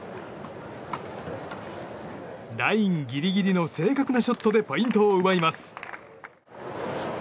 ラインギリギリの正確なショットでポイントを奪います。